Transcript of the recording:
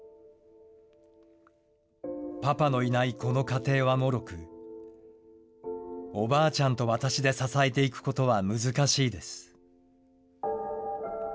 パパのいないこの家庭はもろく、おばあちゃんと私で支えていくことは難しいです。